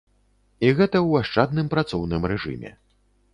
І гэта ў ашчадным працоўным рэжыме.